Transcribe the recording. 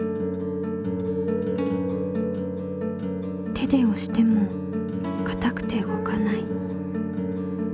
手でおしてもかたくて動かない。